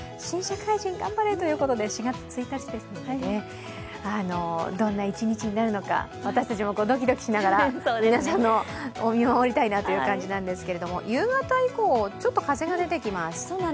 新社会人頑張れということで、４月１日ですので、どんな一日になるのか私たちもドキドキしながら皆さんを見守りたいなという感じなんですけれども、夕方以降、ちょっと風が出てきます